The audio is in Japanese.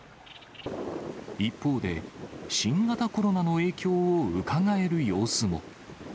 一方で、新型コロナの影響をうかがえる様子も。